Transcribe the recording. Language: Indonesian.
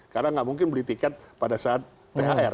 karena nggak mungkin beli tiket pada saat thr